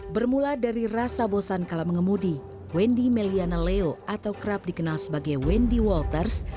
bermula dari rasa bosan kala mengemudi wendy meliana leo atau kerap dikenal sebagai wendy walters